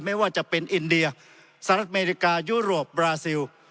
ไม่ว่าจะเป็นอินเดียสหรัฐอเมริกายุโรปบราซิล